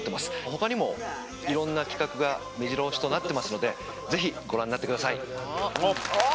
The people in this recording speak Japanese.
他にもいろんな企画がめじろ押しとなってますのでぜひご覧になってください。